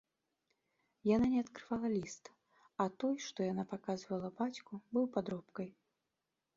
Яна не адкрывала ліст, а той, што яна паказвала бацьку, быў падробкай.